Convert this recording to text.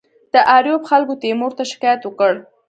د آریوب خلکو تیمور ته شکایت وکړ.